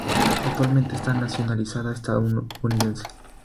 Actualmente está nacionalizada estadounidense.